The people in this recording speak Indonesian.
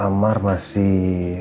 kalau pak amar masih